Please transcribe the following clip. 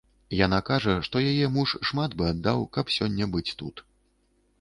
Яна кажа, што яе муж шмат бы аддаў, каб сёння быць тут.